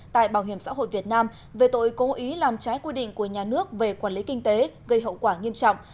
tại bảo hiểm xã hội việt nam về tội cố ý làm trái quy định của nhà nước về quản lý kinh tế gây hậu quả nghiêm trọng